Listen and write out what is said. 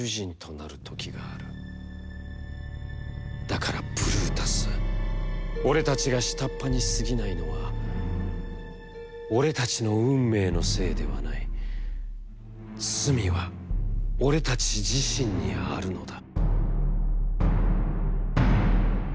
だから、ブルータス、俺たちが下っ端にすぎないのは、俺たちの運命のせいではない、罪は俺たち自身にあるのだ！」。